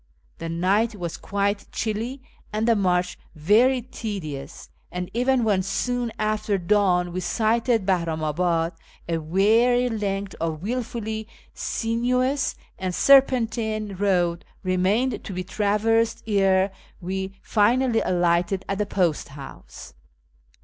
The night was quite chilly and the march very tedious, and even when soon after dawn we sighted Bahramabad, a weary length of wilfully sinuous and serpentine road remained to be traversed ere we finally alighted at the post house.